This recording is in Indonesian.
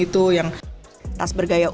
di dalam pola bertaupun morganville